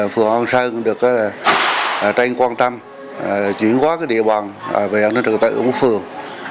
phương an sơn được tranh quan tâm chuyển qua địa bàn về an ninh trật tự của quốc phường